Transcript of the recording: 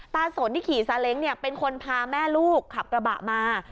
สนที่ขี่ซาเล้งเป็นคนพาแม่ลูกขับกระบะมา